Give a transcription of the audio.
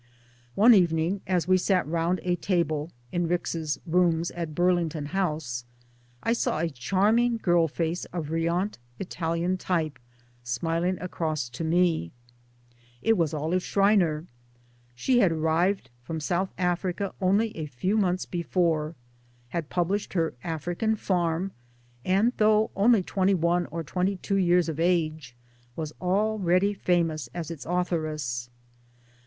.One evening as we sat round a table (in Rix's rooms at Burlington House) I saw a charming girl face, of riant Italian type, smiling across to me. It was Olive Schreiner. She had arrived from South Africa only a few months before, had published her African Farm, and though only twenty one or twenty two years of age was already famous as its authoress.